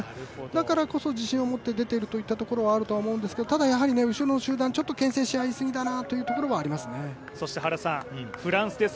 だからこそ自信を持って出ているといったところもあると思うんですがただやはり後ろの集団、ちょっとけん制し合いすぎかなとは思いますね。